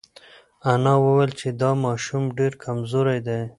انا وویل چې دا ماشوم ډېر کمزوری دی.